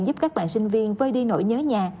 giúp các bạn sinh viên vơi đi nỗi nhớ nhà